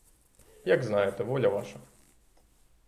Як знаєте, воля ваша.